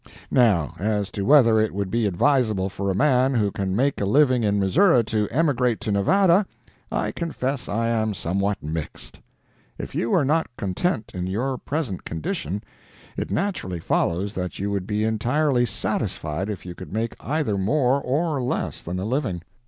Now, as to whether it would be advisable for a man who can make a living in Missouri to emigrate to Nevada, I confess I am somewhat mixed. If you are not content in your present condition, it naturally follows that you would be entirely satisfied if you could make either more or less than a living.